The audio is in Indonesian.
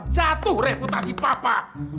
jatuh reputasi papa